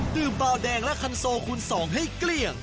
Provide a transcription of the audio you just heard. ดื่มบ้าวแดงและคันโซคุณสองให้เกลี่ยง